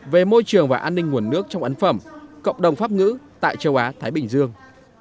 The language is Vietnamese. về môi trường và an ninh nguồn nước trong ấn phẩm cộng đồng pháp ngữ tại châu á thái bình dương